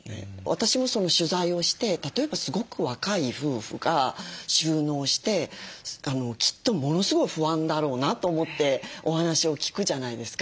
私も取材をして例えばすごく若い夫婦が就農してきっとものすごい不安だろうなと思ってお話を聞くじゃないですか。